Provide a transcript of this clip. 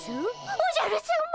おじゃるさま。